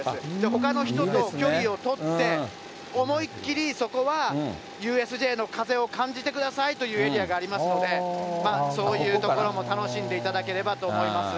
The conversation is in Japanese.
ほかの人と距離を取って、思いっ切りそこはＵＳＪの風を感じてくださいというエリアがありますので、そういうところも楽しんでいただければと思います。